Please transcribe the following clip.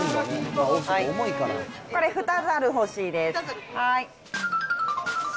これ２ザル欲しいです。